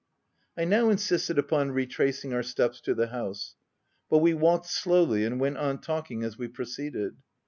I now insisted upon retracing our steps to the house ; but we walked slowly, and went on talking as we proceeded.